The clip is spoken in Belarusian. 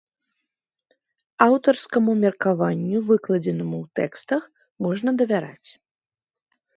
Аўтарскаму меркаванню, выкладзенаму ў тэкстах, можна давяраць.